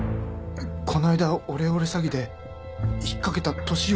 この間オレオレ詐欺で引っかけた年寄りの家を？